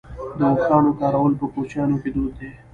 د اوښانو کارول په کوچیانو کې دود دی.